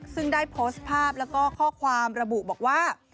ซึ่งได้โพสต์ภาพแล้วก็ข้อความระบุบอกว่า